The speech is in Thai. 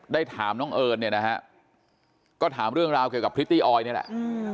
ได้ถามน้องเอิญเนี่ยนะฮะก็ถามเรื่องราวเกี่ยวกับพริตตี้ออยนี่แหละ